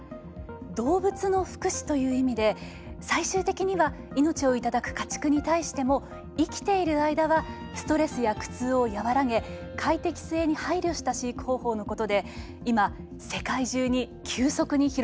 動物の福祉という意味で最終的には命を頂く家畜に対しても生きている間はストレスや苦痛を和らげ快適性に配慮した飼育方法のことで今世界中に急速に広がっているんです。